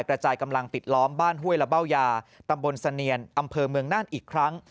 กระจายกำลังปิดล้อมบ้านห้วยละเบ้ายาตำบลเสนียนอำเภอเมืองน่านอีกครั้ง